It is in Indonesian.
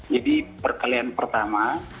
jadi perkelian pertama